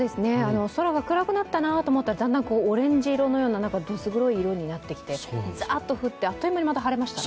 空が暗くなったなと思ったら、だんだんオレンジ色のようなどす黒い色になってきてザーッと降って、また晴れました。